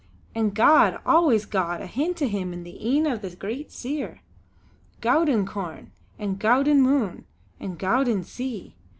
An' gowd, always gowd ahint him in the een of this greater Seer. Gowden corn, and gowden moon, and gowden sea!